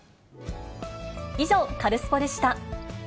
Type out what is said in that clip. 以上、カルスポっ！でした。